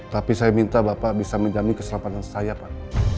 tapi saya minta bapak bisa menjamin keselamatan saya pak